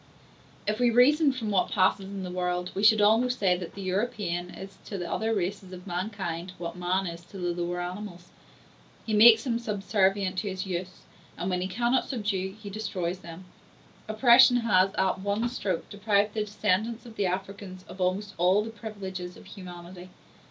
If we reasoned from what passes in the world, we should almost say that the European is to the other races of mankind, what man is to the lower animals;—he makes them subservient to his use; and when he cannot subdue, he destroys them. Oppression has, at one stroke, deprived the descendants of the Africans of almost all the privileges of humanity.